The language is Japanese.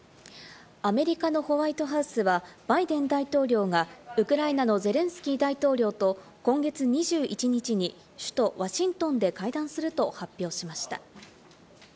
アメリカのホワイトハウスは、バイデン大統領がウクライナのゼレンスキー大統領と今月２１日に首都ワシントンで会談すると発表しました。